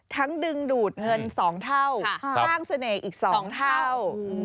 ดึงดูดเงิน๒เท่าสร้างเสน่ห์อีก๒เท่า